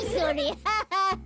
ハハハ！